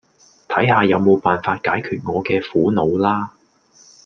睇下有冇辦法解決我嘅苦惱啦